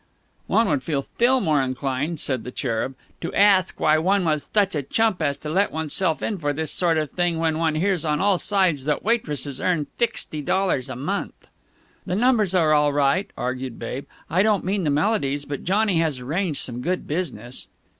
"One would feel thtill more inclined," said the Cherub, "to athk why one was thuch a chump as to let oneself in for this sort of thing when one hears on all sides that waitresses earn thixty dollars a month." "The numbers are all right," argued Babe. "I don't mean the melodies, but Johnny has arranged some good business."